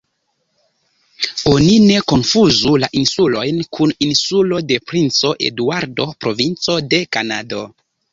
Oni ne konfuzu la insulojn kun Insulo de Princo Eduardo, provinco de Kanado.